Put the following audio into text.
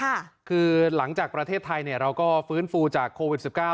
คือหลังจากประเทศไทยเนี่ยเราก็ฟื้นฟูจากโควิด๑๙